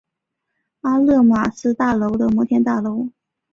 阿勒玛斯大楼的摩天大楼。